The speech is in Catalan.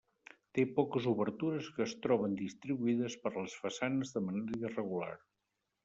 Té poques obertures que es troben distribuïdes per les façanes de manera irregular.